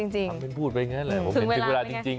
ทำไมพูดแบบนี้แหละถึงเวลาจริง